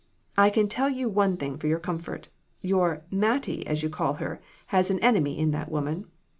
I can tell you one thing for your comfort your 'Mattie,' as you call her, has an enemy in that woman.